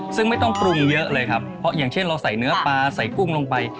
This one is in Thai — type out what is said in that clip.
ซึ่งไม่ต้องปรุงเยอะเลยครับเพราะอย่างเช่นเราใส่เนื้อปลาใส่กุ้งลงไป